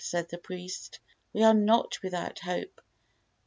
said the priest. "We are not without hope.